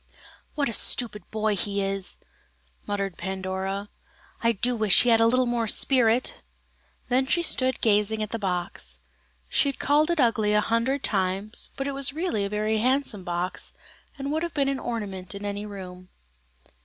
"What a stupid boy he is!" muttered Pandora, "I do wish he had a little more spirit." Then she stood gazing at the box. She had called it ugly a hundred times, but it was really a very handsome box, and would have been an ornament in any room.